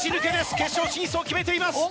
決勝進出を決めています。